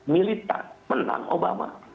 militer menang obama